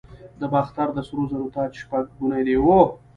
د باختر د سرو زرو تاج شپږ ګونی دی